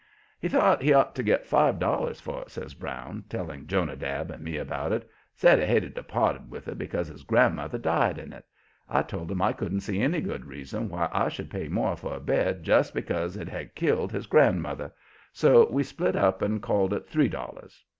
"He thought he ought to get five dollars for it," says Brown, telling Jonadab and me about it. "Said he hated to part with it because his grandmother died in it. I told him I couldn't see any good reason why I should pay more for a bed just because it had killed his grandmother, so we split up and called it three dollars.